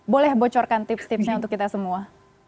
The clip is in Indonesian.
boleh bocorkan tips tipsnya untuk kita semua